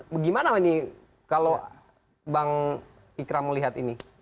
bagaimana ini kalau bang ikram melihat ini